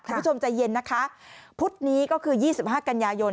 คุณผู้ชมใจเย็นนะคะพุธนี้ก็คือ๒๕กันยายน